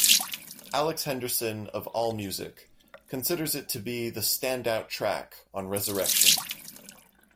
Alex Henderson of Allmusic considers it to be the standout track on "Resurrection".